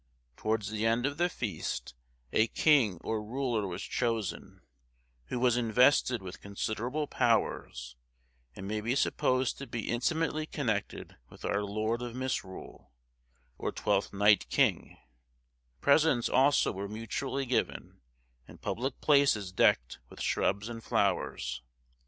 Towards the end of the feast a king or ruler was chosen, who was invested with considerable powers, and may be supposed to be intimately connected with our Lord of Misrule, or Twelfth Night King,—presents also were mutually given, and public places decked with shrubs and flowers.